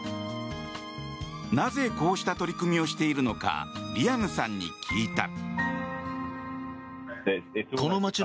なぜこうした取り組みをしているのかリアムさんに聞いた。